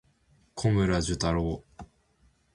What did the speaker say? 小村寿太郎